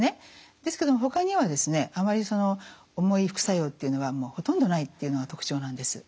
ですけどもほかにはですねあまりその重い副作用っていうのはほとんどないっていうのが特徴なんです。